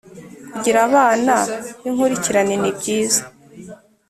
kugira abana binkurikirane ni byiza